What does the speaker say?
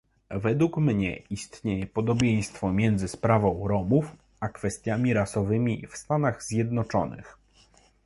Według mnie istnieje podobieństwo między sprawą Romów a kwestiami rasowymi w Stanach Zjednoczonych